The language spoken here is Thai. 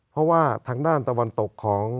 เพราะว่าทางด้านตะวันตกของ